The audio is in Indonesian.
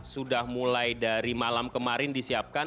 sudah mulai dari malam kemarin disiapkan